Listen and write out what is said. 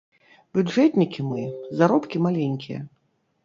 Бюджэтнікі мы, заробкі маленькія.